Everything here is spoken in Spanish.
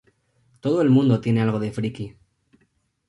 Todo el mundo tiene algo de friki.